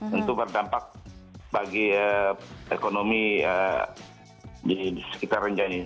tentu berdampak bagi ekonomi di sekitar renjani